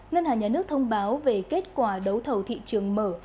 ngân hàng nhà nước thông báo về kết quả đấu thầu thị trường mở